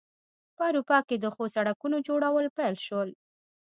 په اروپا کې د ښو سړکونو جوړول پیل شول.